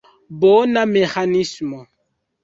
Bona meĥanismo!